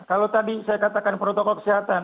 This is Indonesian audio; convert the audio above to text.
kalau tadi saya katakan protokol kesehatan